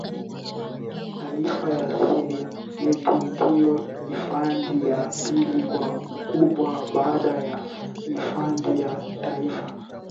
Taifa ya Serengeti ndio hifadhi ya pili kwa ukubwa baada ya hifadhi ya Taifa